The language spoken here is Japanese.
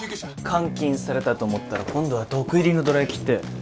監禁されたと思ったら今度は毒入りのどら焼きって。